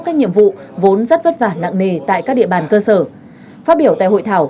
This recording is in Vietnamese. các nhiệm vụ vốn rất vất vả nặng nề tại các địa bàn cơ sở phát biểu tại hội thảo